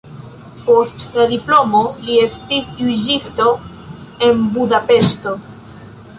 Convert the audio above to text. Post la diplomo li estis juĝisto en Budapeŝto.